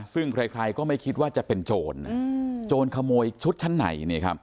ซึ่งใครก็ไม่คิดว่าจะเป็นโจรโจรขโมยชุดชั้นไหน